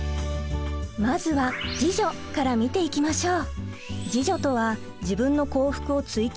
まずは自助から見ていきましょう。